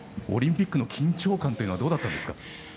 オリンピックの緊張感というのはどうだったんですか。